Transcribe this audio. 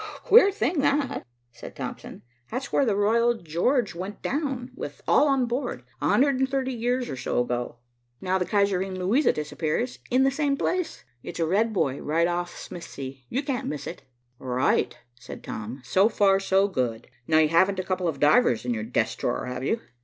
"Queer thing that," said Thompson. "That's where the Royal George went down, with all on board, a hundred and thirty years or so ago. Now the Kaiserin Luisa disappears, in the same place. It's a red buoy right off Smithsea, you can't miss it." "Right," said Tom. "So far so good. Now, you haven't a couple of divers in your desk drawer, have you?"